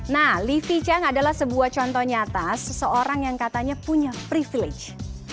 nah livi chang adalah sebuah contoh nyata seseorang yang katanya punya privilege